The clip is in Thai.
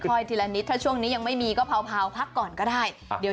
ค่อยทีละนิดถ้าช่วงนี้ยังไม่มีก็เผาพักก่อนก็ได้